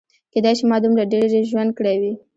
کیدای شي ما دومره ډېر ژوند کړی وي.